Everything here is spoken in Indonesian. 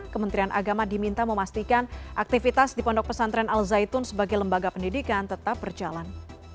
kementerian agama diminta memastikan aktivitas di pondok pesantren al zaitun sebagai lembaga pendidikan tetap berjalan